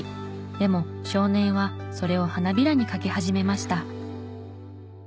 でも少年はそれを花びらにかけ始めました。